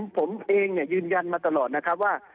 ผมเองยืนยันมาตลอดนะครับว่า